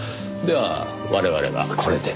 では我々はこれで。